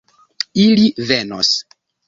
Ili venos.